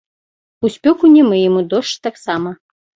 У спёку не мыем, у дождж таксама.